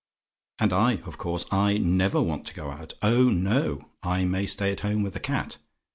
"And I, of course, I never want to go out. Oh no! I may stay at home with the cat.